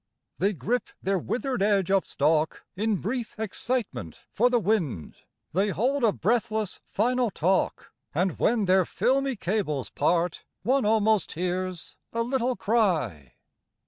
They grip their withered edge of stalk In brief excitement for the wind; They hold a breathless final talk, And when their filmy cables part One almost hears a little cry.